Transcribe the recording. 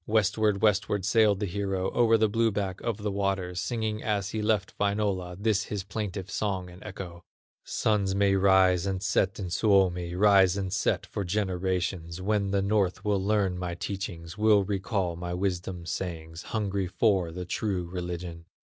Westward, westward, sailed the hero O'er the blue back of the waters, Singing as he left Wainola, This his plaintive song and echo: "Suns may rise and set in Suomi, Rise and set for generations, When the North will learn my teachings, Will recall my wisdom sayings, Hungry for the true religion.